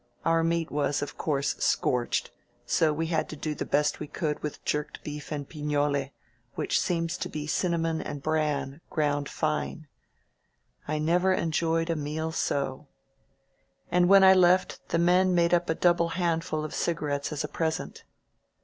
Our meat was, of course, scorched, so we had to do the best we could with jerked beef and pinole, which seems to be cinnamon and bran, ground fine. I never enjoyed a meal so. ••. And when I left the men made up a double handful of cigarettes as a present.